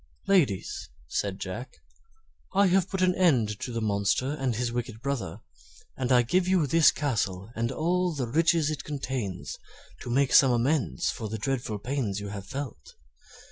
"Ladies," said Jack, "I have put an end to the monster and his wicked brother, and I give you this castle and all the riches it contains to make some amends for the dreadful pains you have felt."